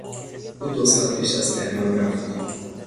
او دو سال پیش از تهران رفت.